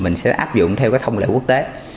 mình sẽ áp dụng theo cái thông lệ quốc tế